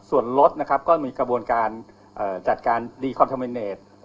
ส่วนรถนะครับก็มีกระบวนการจัดการดีคอนเทอร์เมนเนต